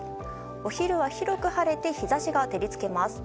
お昼は広く晴れて日差しが照り付けます。